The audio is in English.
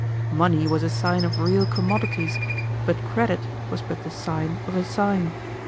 Money was a sign of real commodities, but credit was but the sign of a sign.